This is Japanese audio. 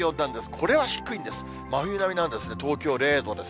これは低いんです。